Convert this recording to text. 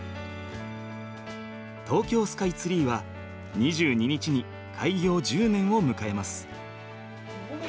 東京スカイツリーは２２日に開業１０年を迎えます。